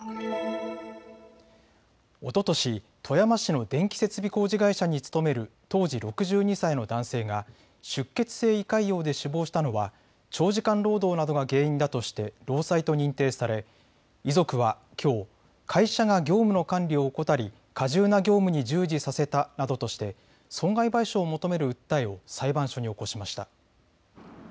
おととし富山市の電気設備工事会社に勤める当時６２歳の男性が出血性胃潰瘍で死亡したのは長時間労働などが原因だとして労災と認定され遺族はきょう会社が業務の管理を怠り過重な業務に従事させたなどとして損害賠償を求める訴えを裁判所に起こしました。